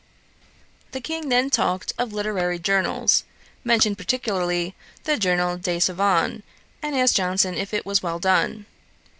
The King then talked of literary journals, mentioned particularly the Journal des Savans, and asked Johnson if it was well done.